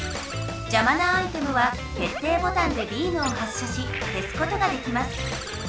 じゃまなアイテムはけっていボタンでビームを発射しけすことができます。